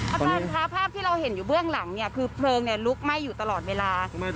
อาจารย์คะภาพที่เราเห็นอยู่เบื้องหลังเนี่ยคือเพลิงลุกไหม้อยู่ตลอดเวลา